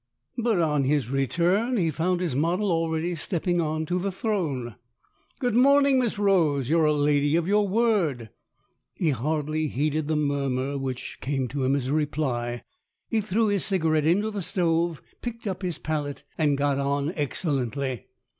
But on his return he found his model already stepping on to the throne. " Good morning, Miss Rose. You're a lady of your word." He hardly heeded the murmur which came to him as a reply. He threw his cigarette into the stove, picked up his palette, and got on excellently.